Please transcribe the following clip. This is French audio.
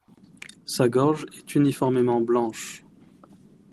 Sa gorge est uniformément blanche.